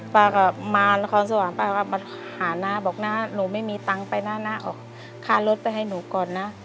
ป่าก็มาละครสว่างป่าก็มาหานะบอกนะหนูไม่มีตังค์ไปนะนะออกค่าลดไปให้หนูก่อนนะ